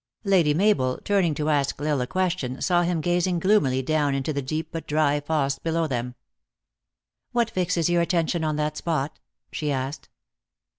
Lady Mabel, turning to ask L Isle a question, saw him gazing gloomily down into the deep but dry fosse below them. " What fixes your attention on that spot," she asked.